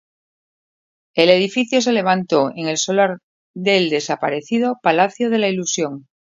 El edificio se levantó en el solar del desaparecido Palacio de la Ilusión.